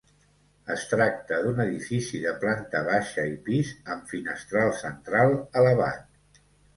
Es tracta d'un edifici de planta baixa i pis, amb finestral central elevat.